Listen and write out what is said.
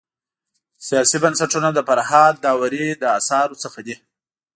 سیاسي بنسټونه د فرهاد داوري د اثارو څخه دی.